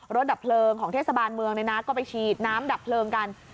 ดับเพลิงของเทศบาลเมืองก็ไปฉีดน้ำดับเพลิงกัน